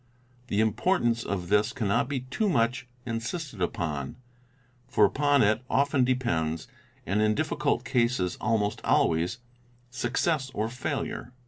The importance of this cannot be too much insisted upon, for upon it often depends, and I difficult cases almost always, success or failure.